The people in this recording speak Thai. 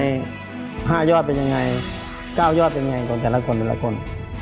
๕ยอดเป็นยังไง๙ยอดเป็นไงของแต่ละคนแต่ละคน